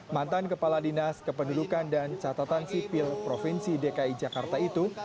mantan kepala dinas kependudukan dan catatan sipil provinsi dki jakarta itu